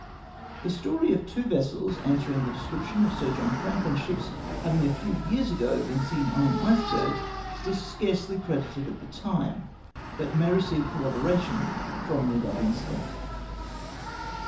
The story of two vessels answering tlie description of Sir John Franklin's ships having a few years ago been seen on an iceberg was scarcely credited at the time, but may receive corroboration from the above incident.